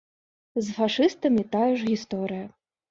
З фашыстамі тая ж гісторыя.